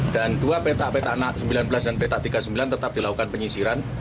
dan dua petak petak sembilan belas dan petak tiga puluh sembilan tetap dilakukan penyisiran